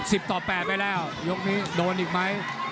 อเจมส์๑๐ต่อ๘ไปแล้วยุคนี้โดนอีกไหม